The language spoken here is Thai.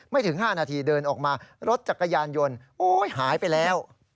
ถึง๕นาทีเดินออกมารถจักรยานยนต์โอ๊ยหายไปแล้ว